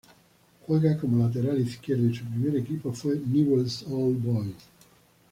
Juega como lateral izquierdo y su primer equipo fue Newell's Old Boys.